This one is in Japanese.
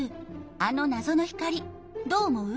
あの謎の光どう思う？